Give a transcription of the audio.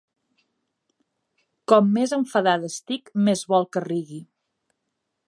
Com més enfadada estic més vol que rigui.